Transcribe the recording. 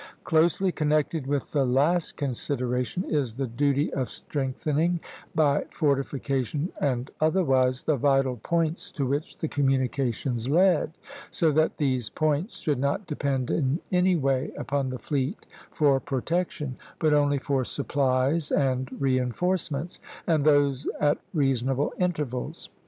Closely connected with the last consideration is the duty of strengthening, by fortification and otherwise, the vital points to which the communications led, so that these points should not depend in any way upon the fleet for protection, but only for supplies and reinforcements, and those at reasonable intervals.